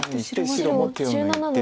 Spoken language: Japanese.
白も手を抜いて。